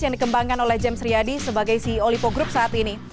yang dikembangkan oleh james riadi sebagai si olipo group saat ini